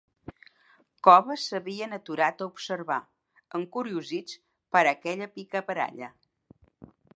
Cova s'havien aturat a observar, encuriosits per aquella picabaralla.